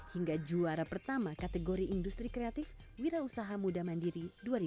hingga juara pertama kategori industri kreatif wira usaha muda mandiri dua ribu dua puluh